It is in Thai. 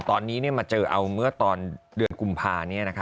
ตอนนี้มาเจอเอาเมื่อตอนเดือนกุมภา